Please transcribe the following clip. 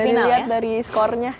bisa dilihat dari skornya